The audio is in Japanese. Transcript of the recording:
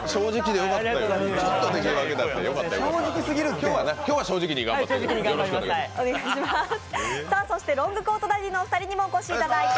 今日は正直に頑張ってもらって。